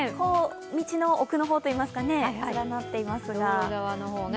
道の奥の方といいますか、連なっています。